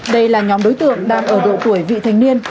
đây là nhóm đối tượng đang ở độ tuổi vị thành niên